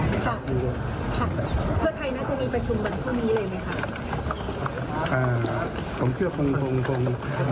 น่าจะมีประชุมเหมือนพี่มิเยนะครับ